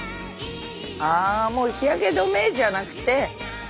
あもう日焼け止めじゃなくて。